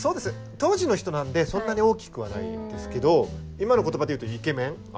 当時の人なんでそんなに大きくはないですけど今の言葉で言うとイケメン？